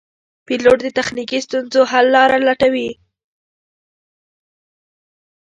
پیلوټ د تخنیکي ستونزو حل لاره لټوي.